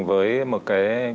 với một cái